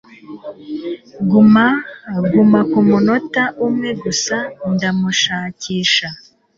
Guma guma kumunota umwe gusa ndamushakisha.